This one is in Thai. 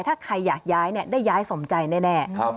ถ้าใครอยากย้ายได้ย้ายสมใจแน่